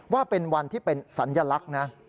ว่าเป็นวันที่เป็นสัญลักษณ์นะ